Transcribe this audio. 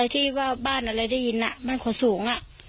ที่บ้านอะไรได้ยินบ้านขวดสูง